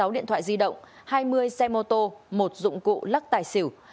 hai mươi sáu điện thoại di động hai mươi xe mô tô một dụng cụ lắc tài xỉu